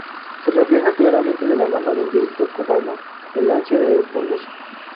Se refleja claramente de la mano del director cubano el ansia de progreso.